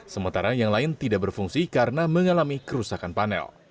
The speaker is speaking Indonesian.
sementara yang lain tidak berfungsi karena mengalami kerusakan panel